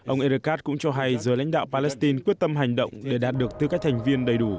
ông ercas cũng cho hay giới lãnh đạo palestine quyết tâm hành động để đạt được tư cách thành viên đầy đủ